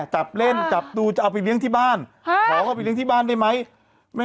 จะเอาไปเลี้ยงที่บ้านคอเอาไปเลี้ยงที่บ้านได้หรือไม่ยอด